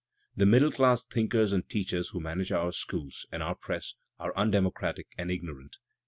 The middle \ class thinkers and teachers who manage our schools and our * press iEire undemocratic and ignorant.